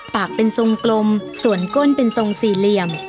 ปากเป็นทรงกลมส่วนก้นเป็นทรงสี่เหลี่ยม